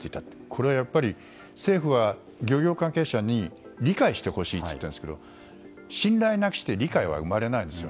これはやっぱり政府は漁業関係者に理解してほしいと言っているんですけど信頼なくして理解は生まれないんですよ。